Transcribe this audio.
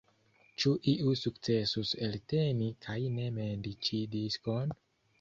Ĉu iu sukcesus elteni kaj ne mendi ĉi diskon?